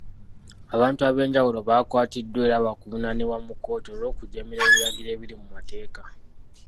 Abantu ab'enjawulo bakwatiddwa era baakuvunaanibwa mu kkooti olw'okujeemera ebiragiro ebiri mu mateeka.